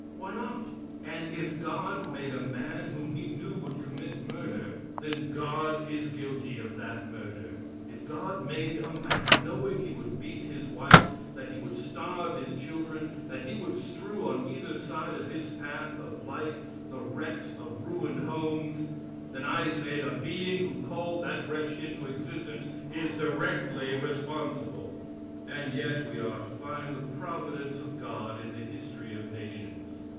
Why not? And if God made a man whom He knew would commit murder, then God is guilty of that murder. If God made a man, knowing he would beat his wife, that he would starve his children, that he would strew on either side of his path of life the wrecks of ruined homes, then, I say, the being who called that wretch into existence is directly responsible. And yet we are to find the providence of God in the history of nations.